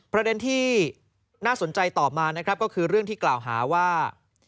ประเด็นที่น่าสนใจต่อมานะครับก็คือเรื่องที่กล่าวหาว่า